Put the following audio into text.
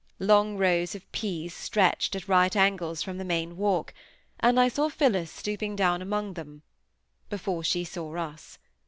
Long rows of peas stretched at right angles from the main walk, and I saw Phillis stooping down among them, before she saw us.